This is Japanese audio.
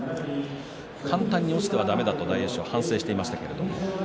簡単に落ちてはだめだと反省していました。